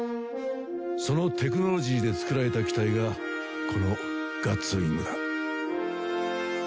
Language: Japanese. そのテクノロジーで作られた機体がこのガッツウイングだ。